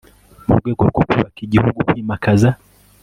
Mu rwego rwo kubaka Igihugu kwimakaza